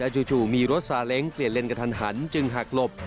จะจุดมีรถสาเลงเปลี่ยนเลนกับฐานหันจึงหากหลบ